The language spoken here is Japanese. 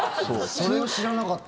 それを知らなかった。